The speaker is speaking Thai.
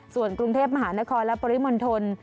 ส่วนกรุงเทพมหานครและปริมณฑล